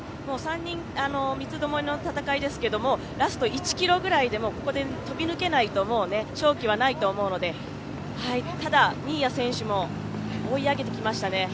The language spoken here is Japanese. ３人、三つどもえの戦いですけれども、ラスト１ｋｍぐらいで飛び抜けないと勝機はないと思うので、ただ、新谷選手も追い上げてきましたね。